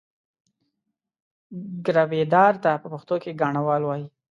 ګرويدار ته په پښتو کې ګاڼهوال وایي.